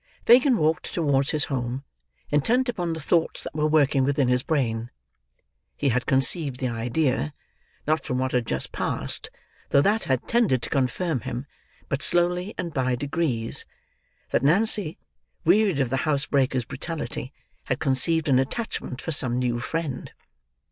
Fagin walked towards his home, intent upon the thoughts that were working within his brain. He had conceived the idea—not from what had just passed though that had tended to confirm him, but slowly and by degrees—that Nancy, wearied of the housebreaker's brutality, had conceived an attachment for some new friend.